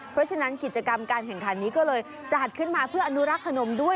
เพราะฉะนั้นกิจกรรมการแข่งขันนี้ก็เลยจัดขึ้นมาเพื่ออนุรักษ์ขนมด้วย